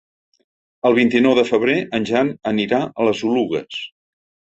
El vint-i-nou de febrer en Jan anirà a les Oluges.